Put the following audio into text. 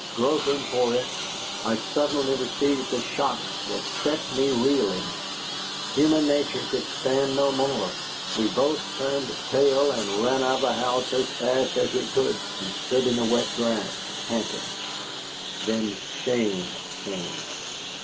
Groping for it, I suddenly received a shock that set me reeling. Human nature could stand no more. We both turned tail and ran out of the house as fast as we could, and stood in the wet grass, panting. Then shame came.